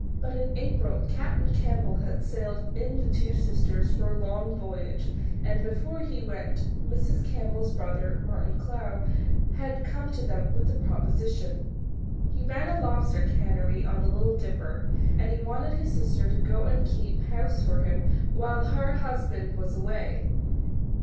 But in April Captain Campbell had sailed in the Two Sisters for a long voyage and, before he went, Mrs. Campbell's brother, Martin Clowe, had come to them with a proposition. He ran a lobster cannery on the Little Dipper, and he wanted his sister to go and keep house for him while her husband was away.